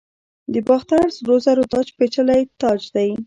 د باختر سرو زرو تاج پیچلی تاج دی